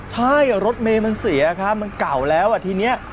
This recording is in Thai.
ใช่รถเมย์มันเสียครับมันเก่าแล้วทีนี้